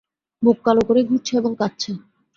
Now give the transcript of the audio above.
মুখ কালো করে ঘুরছে এবং কাঁদছে।